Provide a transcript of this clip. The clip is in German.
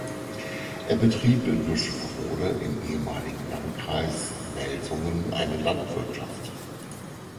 Er betrieb in Bischofferode im ehemaligen Landkreis Melsungen eine Landwirtschaft.